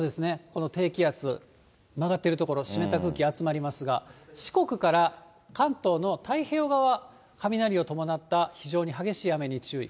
この低気圧、曲がっている所、湿った空気集まりますが、四国から関東の太平洋側、雷を伴った非常に激しい雨に注意。